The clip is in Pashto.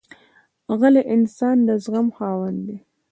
غلی انسان، د زغم خاوند وي.